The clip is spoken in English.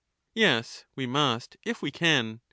Yes, we must, if we can.